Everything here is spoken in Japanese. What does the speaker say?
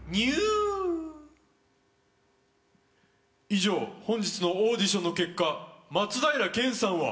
以上本日のオーディションの結果松平健さんは。